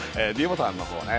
ｄボタンのほうね